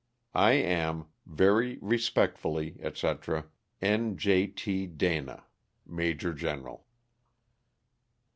"I am, very respectfully, etc., *'N. J. T. DANA, Major General.''